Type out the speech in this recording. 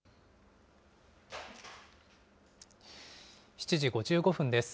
７時５５分です。